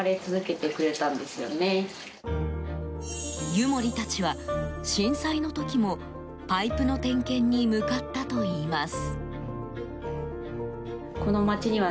湯守たちは震災の時もパイプの点検に向かったといいます。